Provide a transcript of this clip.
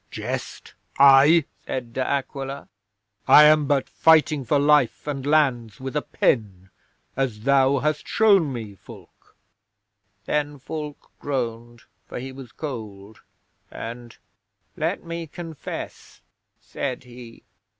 '"Jest? I?" said De Aquila. "I am but fighting for life and lands with a pen, as thou hast shown me, Fulke." 'Then Fulke groaned, for he was cold, and, "Let me confess," said he.